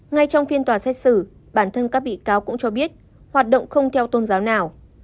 ngay trong phiên tòa xét xử bản thân các bị cáo cũng cho biết hoạt động không theo tôn giáo nào